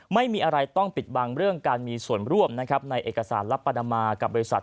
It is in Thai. ไม่มีอะไรต้องปิดบังเรื่องการมีส่วนร่วมนะครับในเอกสารลับปานามากับบริษัท